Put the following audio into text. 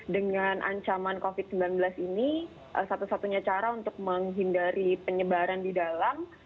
dengan ancaman covid sembilan belas ini satu satunya cara untuk menghindari penyebaran di dalam